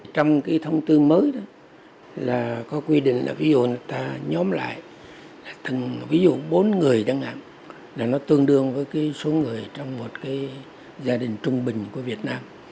trong cái thông tư mới đó là có quy định là ví dụ chúng ta nhóm lại ví dụ bốn người chẳng hạn là nó tương đương với cái số người trong một cái gia đình trung bình của việt nam